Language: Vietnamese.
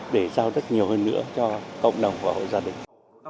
để giao rất nhiều hơn nữa cho cộng đồng và hộ gia đình